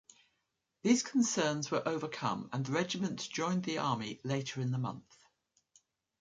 These concerns were overcome and the regiment joined the army later in the month.